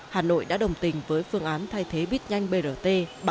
hà nội đã đồng tình với phương án thay thế buýt nhanh brt